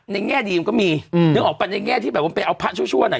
ในแง่ดีมันก็มีอืมนึกออกว่าในแง่ที่แบบว่าไปเอาพระชั่วชั่วน่ะ